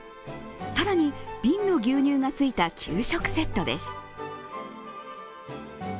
更に、瓶の牛乳がついた給食セットです。